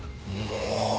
もう！